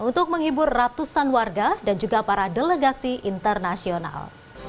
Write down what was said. untuk menghibur ratusan warga dan juga para delegasi internasional